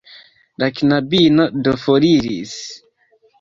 La knabino do foriris.